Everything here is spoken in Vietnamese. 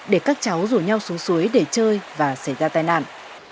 để các cháu rủ nhau xuống suối để chơi và xảy ra tai nạn